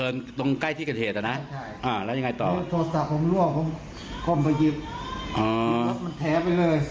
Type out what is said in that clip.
อ๋อนี่อะไรครับ